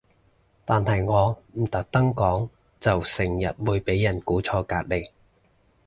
但係我唔特登講就成日會俾人估錯隔離